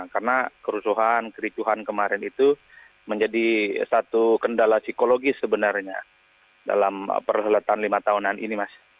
karena kerusuhan kericuhan kemarin itu menjadi satu kendala psikologis sebenarnya dalam perselatan lima tahunan ini mas